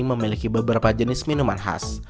memiliki beberapa jenis minuman khas